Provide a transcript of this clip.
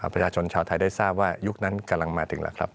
ประชาชนชาวไทยได้ทราบว่ายุคนั้นกำลังมาถึงแล้วครับ